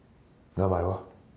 ・名前は？